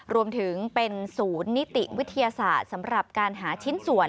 รวมถึงเป็นศูนย์นิติวิทยาศาสตร์สำหรับการหาชิ้นส่วน